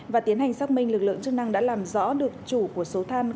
và tiến hành xác minh lực lượng chức năng đã làm rõ được chủ của số than